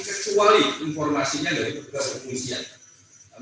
kecuali informasinya dari petugas kepolisian